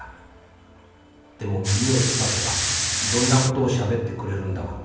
でも耳を澄ませばいろんなことをしゃべってくれるんだわ。